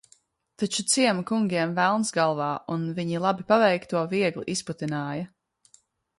Ta?u ciema kungiem velns galv?, un vi?i labi paveikto viegli izputin?ja.